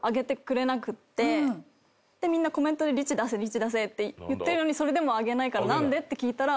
でみんなコメントで「リチ出せリチ出せ」って言ってるのにそれでも上げないから何で？って聞いたら。